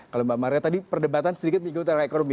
kalau mbak maria tadi perdebatan sedikit mengikut ekonomi